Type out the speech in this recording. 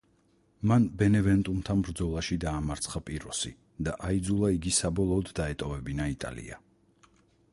მან ბენევენტუმთან ბრძოლაში დაამარცხა პიროსი და აიძულა იგი საბოლოოდ დაეტოვებინა იტალია.